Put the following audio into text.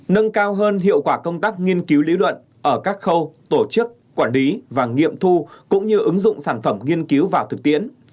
nâng cao hơn hiệu quả công tác nghiên cứu lý luận ở các khâu tổ chức quản lý và nghiệm thu cũng như ứng dụng sản phẩm nghiên cứu vào thực tiễn